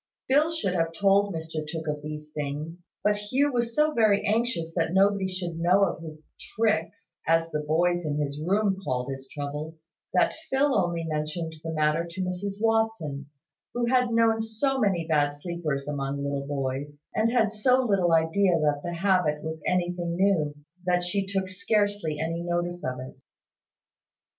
Phil should have told Mr Tooke of these things; but Hugh was so very anxious that nobody should know of his "tricks" (as the boys in his room called his troubles), that Phil only mentioned the matter to Mrs Watson, who had known so many bad sleepers among little boys, and had so little idea that the habit was anything new, that she took scarcely any notice of it.